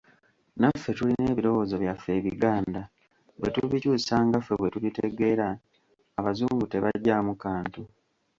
Naffe tulina ebirowozo ebyaffe Ebiganda, bwe tubikyusa nga ffe bwe tubitegeera, Abazungu tebaggyaamu kantu.